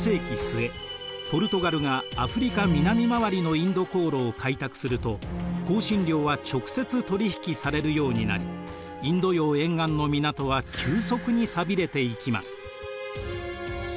ポルトガルがアフリカ南回りのインド航路を開拓すると香辛料は直接取り引きされるようになりインド洋沿岸の港は急速に寂れていきます。